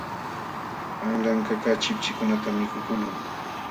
Qanla ankakaq chipchikunatam mikukuqlun.